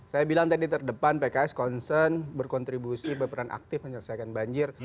saya bilang tadi terdepan pks concern berkontribusi berperan aktif menyelesaikan banjir